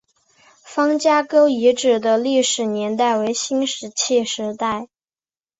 方家沟遗址的历史年代为新石器时代。